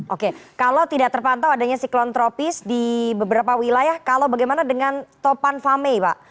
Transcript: oke kalau tidak terpantau adanya siklon tropis di beberapa wilayah kalau bagaimana dengan topan fame pak